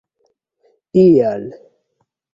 ial